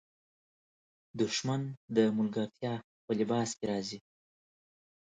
دښمن د ملګرتیا په لباس کې راځي